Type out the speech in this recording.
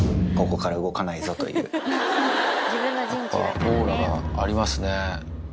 やっぱオーラがありますね。